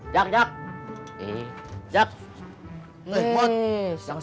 jangan lu molding